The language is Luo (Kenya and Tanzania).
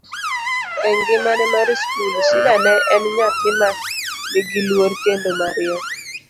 e ngimane mar skul, Shida ne en nyadhi ma nigi luor kendo mariek